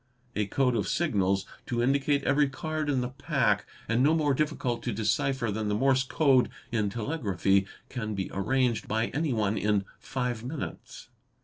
A code of signals to indicate every card in the pack, and no more difficult to decipher than the Morse Code in telegraphy, can be arranged by any one in five minutes.